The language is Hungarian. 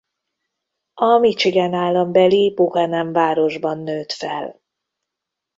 A Michigan állambeli Buchanan városban nőtt fel.